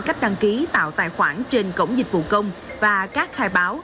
cách đăng ký tạo tài khoản trên cổng dịch vụ công và các khai báo